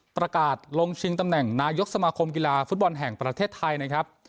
ประกาศลงชิงตำแหน่งนายกสมาคมกีฬาฟุตบอลแห่งประเทศไทยนะครับ